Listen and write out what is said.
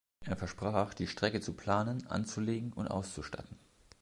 Er versprach, die Strecke zu planen, anzulegen und auszustatten.